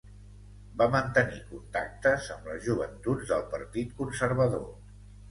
Va mantenir contactes amb les joventuts del Partit Conservador.